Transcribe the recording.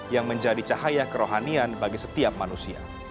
yang menjadi cahaya kerohanian bagi setiap manusia